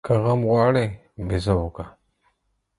که غم غواړې ، بزه وکه.